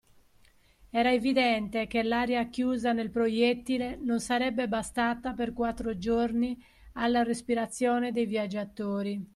Era evidente che l’aria chiusa nel proiettile non sarebbe bastata per quattro giorni alla respirazione dei viaggiatori.